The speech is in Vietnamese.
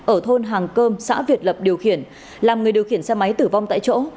ở thôn hàng cơm xã việt lập điều khiển làm người điều khiển xe máy tử vong tại chỗ